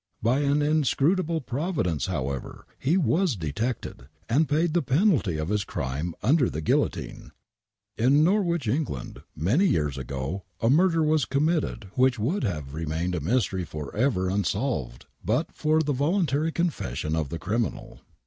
By an inscrutable providence, however, he was detected and paid the penalty of his crime under the guillotine. Ir l^orwich, England, many years ago a murder was com mitted which would have remained a mystery for ever unsolved but for the voluntary confession of the criminal.